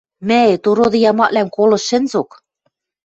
– Мӓэт ороды ямаквлӓм колышт шӹнзок!..